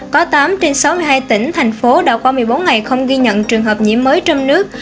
có tám trên sáu mươi hai tỉnh thành phố đã qua một mươi bốn ngày không ghi nhận trường hợp nhiễm mới trong nước